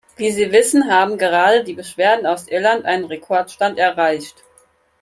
Wie Sie wissen, haben gerade die Beschwerden aus Irland einen Rekordstand erreicht.